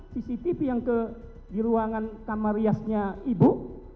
cctv yang di ruangan kamar riasnya ibu